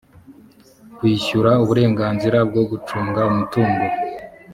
kwishyura uburenganzira bwo gucunga umutungo